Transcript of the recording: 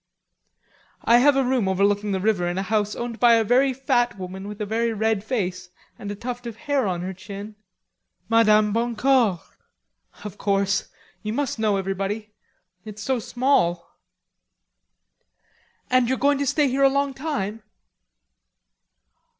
"I have a room overlooking the river in a house owned by a very fat woman with a very red face and a tuft of hair on her chin...." "Madame Boncour." "Of course. You must know everybody.... It's so small." "And you're going to stay here a long time?"